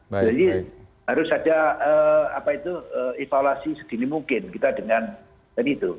jadi harus ada evaluasi segini mungkin kita dengan itu